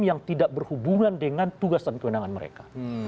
yang tidak berhubungan dengan tugasan kewenangan mereka